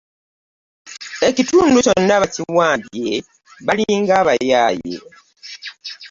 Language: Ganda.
Ekitundu kyonna baakiwambye balinga bayaaye.